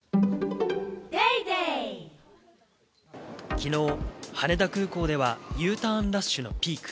昨日、羽田空港ではＵターンラッシュのピーク。